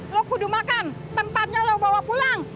lu kudu makan tempatnya lu bawa pulang